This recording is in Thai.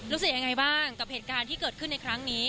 รู้สึกยังไงบ้างกับเหตุการณ์ที่เกิดขึ้นในครั้งนี้